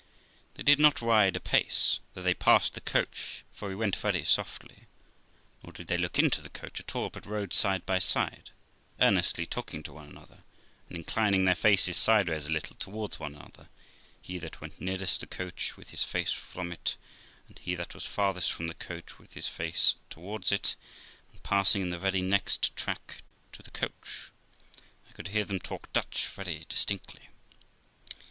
They did not ride apace, though they passed the coach, for we went very softly ; nor did they look into the coach at all, but rode side by side, earnestly talking to one another and inclining their faces sideways a little towards one another, he that went nearest the coach with his face from it, and he that was farthest from the coach with his face towards it, and passing in the very next tract to the coach, I could hear them talk Dutch very distinctly.